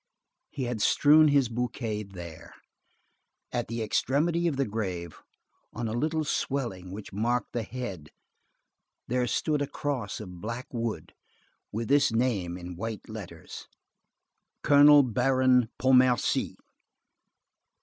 He had strewn his bouquet there. At the extremity of the grave, on a little swelling which marked the head, there stood a cross of black wood with this name in white letters: COLONEL BARON PONTMERCY.